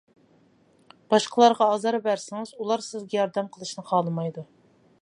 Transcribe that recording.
باشقىلارغا ئازار بەرسىڭىز، ئۇلار سىزگە ياردەم قىلىشنى خالىمايدۇ.